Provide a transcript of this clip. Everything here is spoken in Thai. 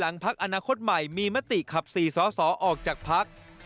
อนาคตใหม่มีมติขับสี่สสออกจากพักธรรม